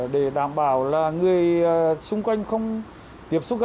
để đảm bảo là người xung quanh không